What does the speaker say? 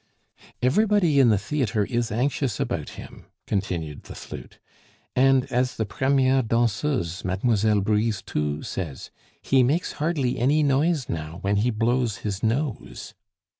"Everybody in the theatre is anxious about him," continued the flute; "and, as the premiere danseuse, Mlle. Brisetout, says, 'he makes hardly any noise now when he blows his nose.